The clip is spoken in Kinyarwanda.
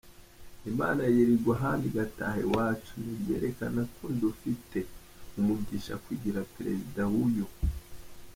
Imana yirigwa ahandi igataha i wacu, ni byerekana kondufite umugisha kujyira President huyu.